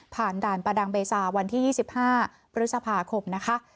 ด่านประดังเบซาวันที่๒๕พฤษภาคมนะคะ